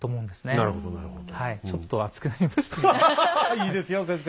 いいですよ先生。